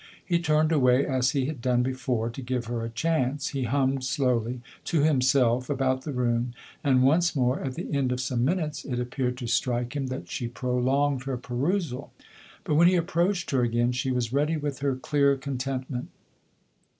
He turned away as he had done before, to give her a chance; he hummed slowly, to himself, about the room, and once more, at the end of some minutes, it appeared to strike him that she prolonged her perusal. But when he approached her again she was ready with her clear contentment.